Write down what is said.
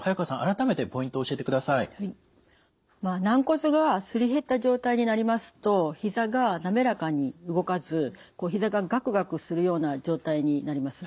軟骨がすり減った状態になりますとひざが滑らかに動かずひざがガクガクするような状態になります。